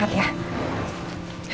mak aku berangkat ya